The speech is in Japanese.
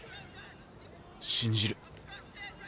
信じる。